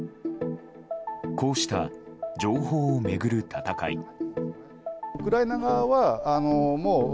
こうした、情報を巡る戦い。